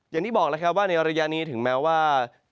อย่างที่บอกแล้วครับว่าในระยะนี้ถึงแม้ว่า